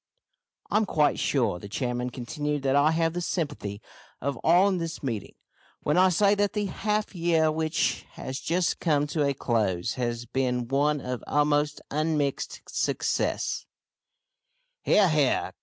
"I am quite sure," the chairman continued, "that I have the sympathy of all in this meeting when I say that the half year which has just come to a close has been one of almost unmixed success " "He ar, he ar!"